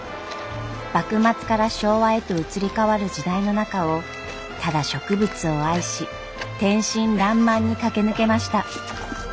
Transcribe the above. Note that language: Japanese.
幕末から昭和へと移り変わる時代の中をただ植物を愛し天真らんまんに駆け抜けました。